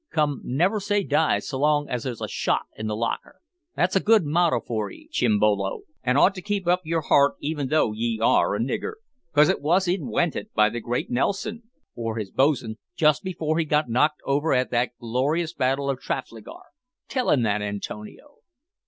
Come, never say die s'long as there's a shot in the locker. That's a good motto for 'ee, Chimbolo, and ought to keep up your heart even tho' ye are a nigger, 'cause it wos inwented by the great Nelson, and shouted by him, or his bo's'n, just before he got knocked over at the glorious battle of Trafalgar. Tell him that, Antonio."